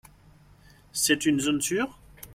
C'est une zone sûre ?